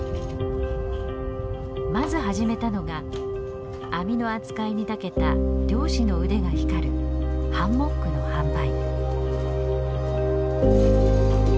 まず始めたのが網の扱いにたけた漁師の腕が光るハンモックの販売。